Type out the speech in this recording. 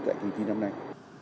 tại kỳ thi năm nay